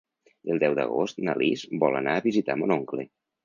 El deu d'agost na Lis vol anar a visitar mon oncle.